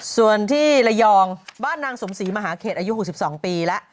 ส่วนที่ระยองบ้านนางสมศรีมหาเขตอายุ๖๒ปีแล้ว